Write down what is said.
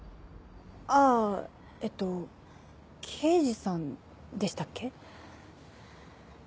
あぁえっと刑事さんでしたっけ？